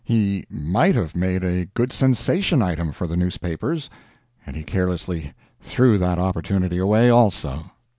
He might have made a good sensation item for the newspapers, and he carelessly threw that opportunity away also.